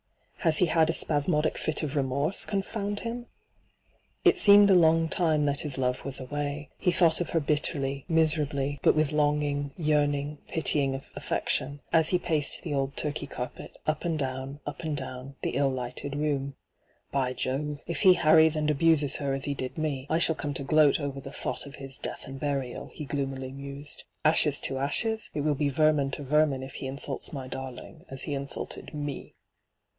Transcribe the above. ' Has he had a spasmodic fit of remorse, confound him V It seemed a long time that his love was away. He thought of her bitterly, miserably, but with longing, yearning, pitying afiection, as he paced the old Tm key carpet, up and down, up and down, the ill lighted room. ' By Jove ! if he harriea and abuses her as he did me, I shall come to gloat over the thought of his death and burial,' he gloomily mused. ' Ashes to ashes ? It will be vermin to vermin if he insults my darling as he insulted me.'